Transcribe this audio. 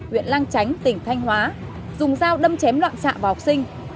huyện lang chánh tỉnh thanh hóa dùng dao đâm chém loạn xạ vào học sinh